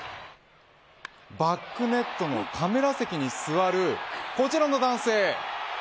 バックネットのカメラ席に座るこちらの男性。